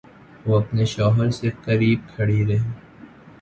وہ اپنے شوہر سے قریب کھڑی رہی